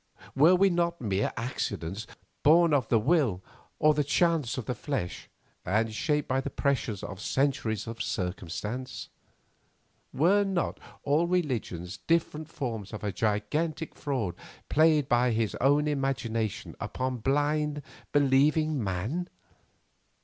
Were we not mere accidents, born of the will or the chance of the flesh, and shaped by the pressure of centuries of circumstance? Were not all religions different forms of a gigantic fraud played by his own imagination upon blind, believing man?